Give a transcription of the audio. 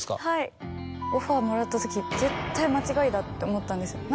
はいオファーもらったとき。って思ったんです